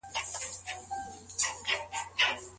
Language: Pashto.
هر بيلتون خپله ځانګړې طريقه لري.